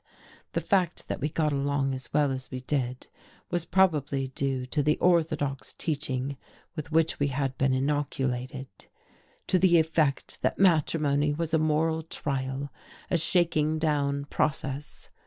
The fact that we got along as well as we did was probably due to the orthodox teaching with which we had been inoculated, to the effect that matrimony was a moral trial, a shaking down process.